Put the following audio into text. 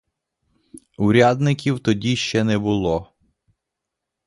Урядників тоді ще не було.